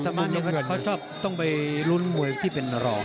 เขาชอบต้องไปรุ้นมวยที่เป็นนรอง